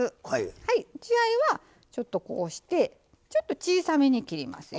はい血合いはちょっとこうしてちょっと小さめに切りますよ。